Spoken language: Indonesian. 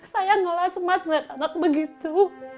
sayanglah mas melihat anak begitu